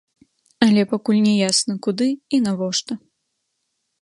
Але пакуль не ясна куды і навошта.